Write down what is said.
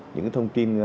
những thông tin